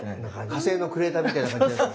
火星のクレーターみたいな感じに？